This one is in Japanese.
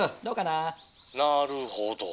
「なるほど」。